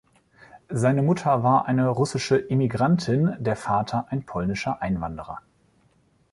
Seine Mutter war eine russische Immigrantin, der Vater ein polnischer Einwanderer.